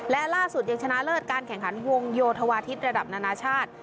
และล่าสุดยังชนะเลิศการแข่งขันวงโยธวาทิศระดับนานาชาติ